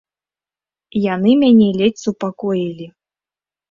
Яны мяне ледзь супакоілі.